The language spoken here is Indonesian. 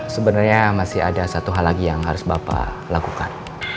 sebenarnya masih ada satu hal lagi yang harus bapak lakukan